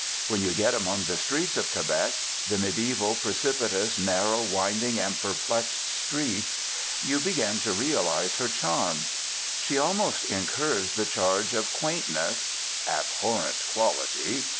When you get among the streets of Quebec, the mediaeval, precipitous, narrow, winding, and perplexed streets, you begin to realise her charm. She almost incurs the charge of quaintness (abhorrent quality!)